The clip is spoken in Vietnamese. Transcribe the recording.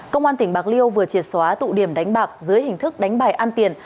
công an tỉnh bạc liêu vừa triệt xóa tụ điểm đánh bạc dưới hình thức đánh bài ăn tiền